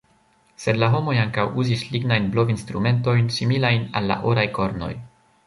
Sed la homoj ankaŭ uzis lignajn blov-instrumentojn similajn al la oraj kornoj.